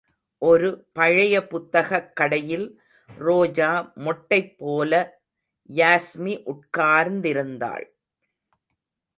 ஒரு பழைய புத்தகக் கடையில் ரோஜா மொட்டைப் போல யாஸ்மி உட்கார்ந்திருந்தாள்.